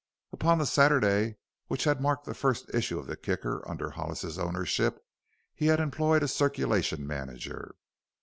Upon the Saturday which had marked the first issue of the Kicker under Hollis's ownership he had employed a circulation manager.